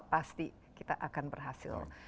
pasti kita akan berhasil